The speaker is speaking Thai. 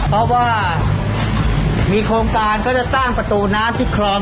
เพราะว่ามีโครงการก็จะสร้างประตูน้ำที่คลอง